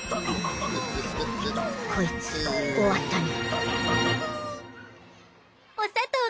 こいつ終わったニャン。